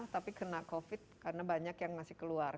tapi kena covid karena banyak yang masih keluar